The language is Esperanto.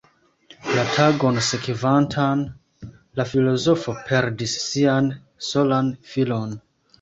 La tagon sekvantan, la filozofo perdis sian solan filon.